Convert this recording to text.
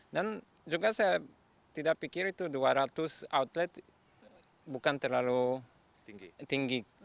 dan juga saya tidak pikir itu dua ratus outlet bukan terlalu tinggi